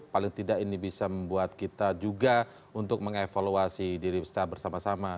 paling tidak ini bisa membuat kita juga untuk mengevaluasi diri secara bersama sama